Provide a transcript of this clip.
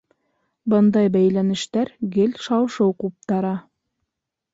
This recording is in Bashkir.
Бындай бәйләнештәр гел шау-шыу ҡуптара.